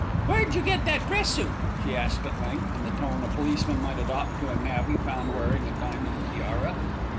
"Where'd you get that dress suit?" she asked at length, in the tone a policeman might adopt to a navvy found wearing a diamond tiara.